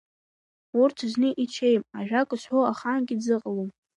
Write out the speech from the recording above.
Урҭ рзы иҽеим ажәак зҳәо ахаангьы дзыҟалом.